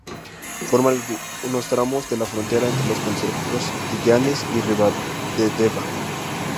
Forma algunos tramos de la frontera entre los concejos de Llanes y Ribadedeva.